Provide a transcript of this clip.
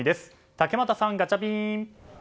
竹俣さん、ガチャピン！